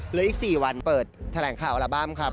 เหลืออีก๔วันเปิดแถลงข่าวอัลบั้มครับ